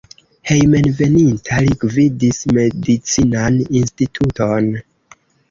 Hejmenveninta li gvidis medicinan instituton.